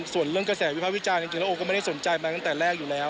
ส่วนเรื่องกระแสวิภาพวิจารณ์จริงแล้วโอก็ไม่ได้สนใจมาตั้งแต่แรกอยู่แล้ว